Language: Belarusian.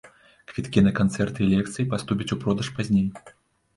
Квіткі на канцэрты і лекцыі паступяць у продаж пазней.